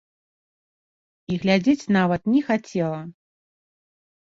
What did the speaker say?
І глядзець нават не хацела.